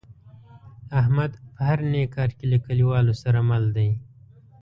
احمد په هر نیک کار کې له کلیوالو سره مل دی.